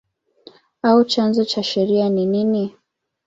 au chanzo cha sheria ni nini?